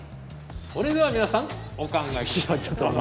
それでは皆さんお考え下さいどうぞ。